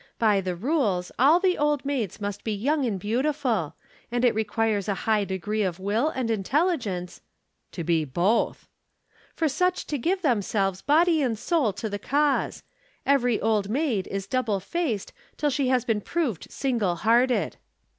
By the rules, all the Old Maids must be young and beautiful. And it requires a high degree of will and intelligence " "To be both!" "For such to give themselves body and soul to the cause. Every Old Maid is double faced till she has been proved single hearted."